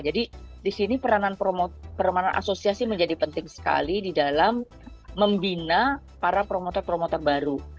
jadi di sini peranan asosiasi menjadi penting sekali di dalam membina para promotor promotor baru